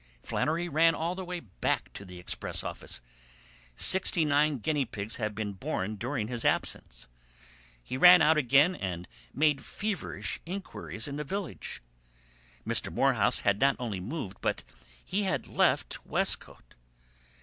Flannery ran all the way back to the express office. Sixty nine guinea pigs had been born during his absence. He ran out again and made feverish inquiries in the village. Mr. Morehouse had not only moved, but he had left Westcote.